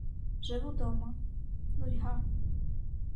Живу дома, — нудьга.